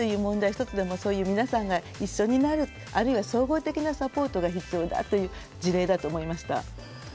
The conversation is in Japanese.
一つでもそういう皆さんが一緒になるあるいは総合的なサポートが必要だという事例だと思いました。